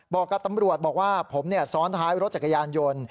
บอกกับตำรวจบอกว่าผมซ้อนท้ายรถจักรยานยนต์